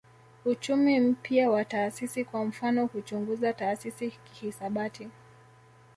Uchumi mpya wa taasisi kwa mfano huchunguza taasisi kihisabati